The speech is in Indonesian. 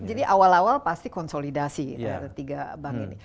jadi awal awal pasti konsolidasi tiga bank ini